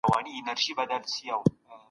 له الله تعالی څخه د يوه صفت منفي کول کفر دی